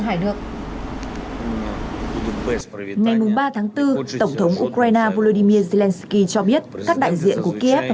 hai nước ngày ba bốn tổng thống ukraine volodymyr zelenskyy cho biết các đại diện của kiev và